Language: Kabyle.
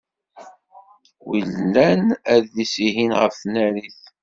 Wilan adlis-ihin ɣef tnarit?